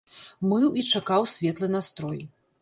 Мыў і чакаў светлы настрой.